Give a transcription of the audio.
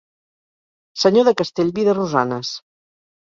Senyor de Castellví de Rosanes.